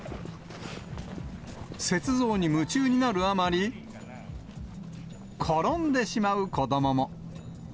雪像に夢中になるあまり、転んでしまう子どもも。